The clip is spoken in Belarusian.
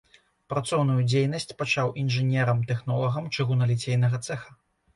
Працоўную дзейнасць пачаў інжынерам-тэхнолагам чыгуналіцейнага цэха.